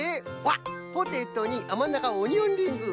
わっポテトにあっまんなかオニオンリング！